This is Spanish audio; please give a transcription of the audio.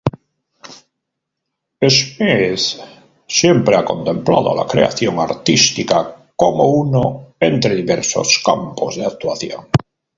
Schmidt siempre ha contemplado la creación artística como uno entre diversos campos de actuación.